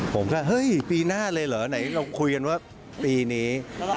ผมก็เฮ้ยปีหน้าเลยเหรอไหนเราคุยกันว่าปีนี้